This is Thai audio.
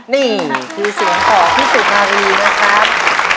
นี่คือเสียงของพี่สุนารีนะครับ